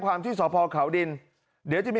อำเภอโพธาราม